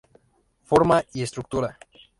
Forma y estructura.